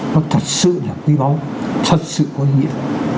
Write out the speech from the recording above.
nó thật sự là quy bóng thật sự có nghĩa